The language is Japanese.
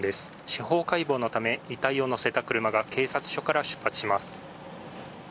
司法解剖のため遺体を乗せた車が警察署から出発します。